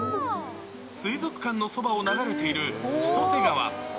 水族館のそばを流れている千歳川。